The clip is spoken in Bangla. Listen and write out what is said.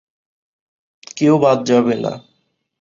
কেউ বাদ যাবে না।